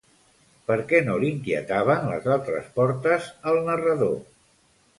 Per què no l'inquietaven les altres portes al narrador?